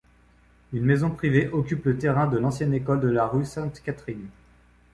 Une maison privée occupe le terrain de l'ancienne école de la rue Sainte-Catherine.